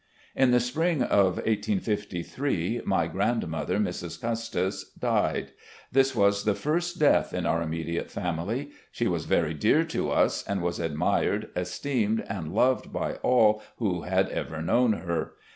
In the spring of '53 my grandmother, Mrs. Custis, died. This was the first death in otu* immediate family. She was very dear to us, and was admired, esteemed and loved by all who had ever known her.